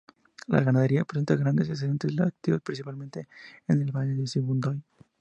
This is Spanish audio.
La ganadería presenta grandes excedentes lácteos principalmente en el Valle de Sibundoy.